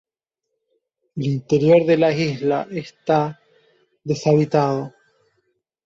El interior de la isla está deshabitado.